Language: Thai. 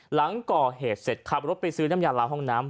หลังก่อเหตุเสร็จขับรถไปซื้อน้ำยาลาห้องน้ำ